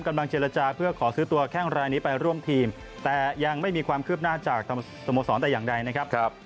กำลังเจรจาเพื่อขอซื้อตัวแข้งรายนี้ไปร่วมทีมแต่ยังไม่มีความคืบหน้าจากสโมสรแต่อย่างใดนะครับ